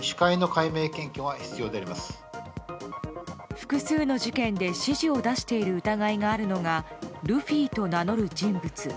複数の事件で指示を出している疑いがあるのがルフィと名乗る人物。